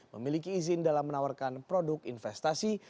memiliki izin dalam menawarkan produk investasi